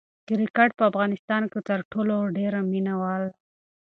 کرکټ په افغانستان کې تر ټولو ډېر مینه وال لري.